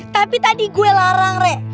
tapi tadi gue larang rek